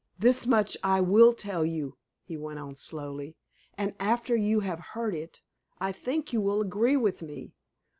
"This much I will tell you," he went on, slowly; "and after you have heard it, I think you will agree with me.